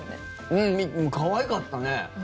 うん、可愛かったね。